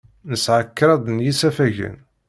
Nesɛa kraḍ n yisafagen.